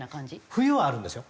冬はあるんですよ